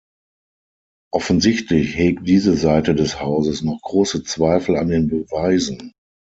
Offensichtlich hegt diese Seite des Hauses noch große Zweifel an den Beweisen.